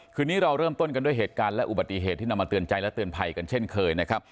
คืนนี้เราเริ่มต้นกันด้วยเหตุการณ์และอุบัติเหตุที่นำมาเตือนใจและเตือนภัยกันเช่นเคยนะครับ